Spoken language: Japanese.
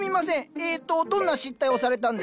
えっとどんな失態をされたんですか？